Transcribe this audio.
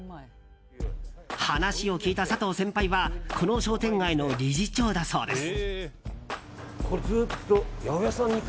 話を聞いた佐藤先輩はこの商店街の理事長だそうです。